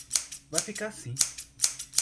Vai ficar assim.